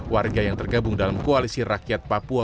warga yang tergabung dalam koalisi rakyat papua